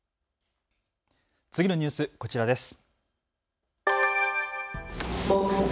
次のニュース、こちらです。